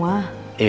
ya ampun om